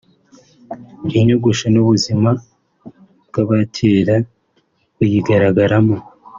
inyogosho n’ubuzima bw’abacyera buyigaragaramo